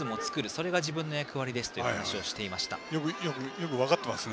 それが自分の役割ですと話をしていました。